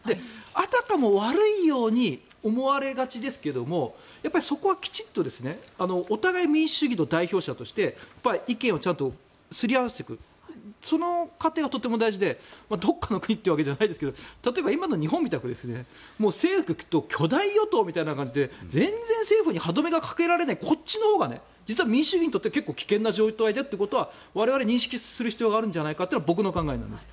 あたかも悪いように思われがちですけどそこはきちんとお互い民主主義の代表者として意見をちゃんとすり合わせていくその過程がとても大事でどこかの国というわけじゃないですけど例えば、今の日本みたく政府、巨大与党みたいな感じで全然、政府に歯止めがかけられないこっちのほうが実は民主主義にとって結構危険な状態だということは我々は認識すべきなんじゃないかというのが僕の考えなんです。